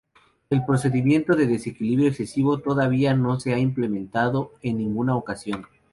El Procedimiento de Desequilibrio Excesivo todavía no se ha implementado en ninguna ocasión.